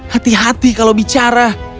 hati hati kalau bicara